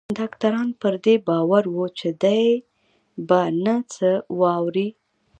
ډاکتران پر دې باور وو چې دی به نه څه واوري.